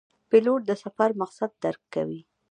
پیلوټ د سفر مقصد درک کوي.